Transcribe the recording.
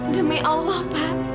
demi allah pak